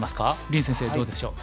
林先生どうでしょう？